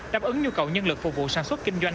đáp ứng nhu cầu nhân lực phục vụ sản xuất kinh doanh